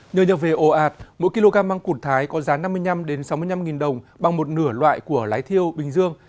nhờ nhập về ồ ạt mỗi kg măng cụt thái có giá năm mươi năm sáu mươi năm đồng bằng một nửa loại của lái thiêu bình dương